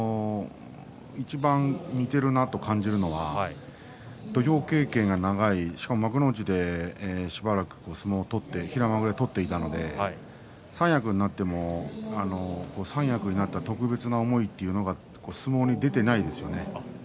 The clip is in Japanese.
いちばん似てるなと感じるのは土俵経験が長い、しかも幕内で平幕で取っていたので三役になった特別な思いというのが相撲には出ていないですよね。